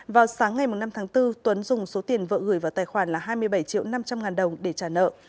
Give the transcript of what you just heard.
vào sáng ngày năm tháng bốn tuấn dùng số tiền vợ gửi vào tài khoản là hai mươi bảy triệu năm trăm linh ngàn đồng để trả nợ